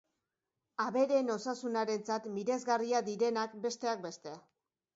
Abereen osasunarentzat miresgarriak direnak, besteak beste.